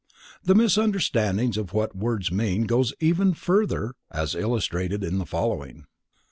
The misunderstandings of what words mean goes even farther, as illustrated in the following.